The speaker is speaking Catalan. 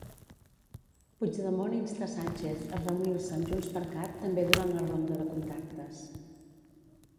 Puigdemont insta Sánchez a reunir-se amb JxCat també durant la ronda de contactes.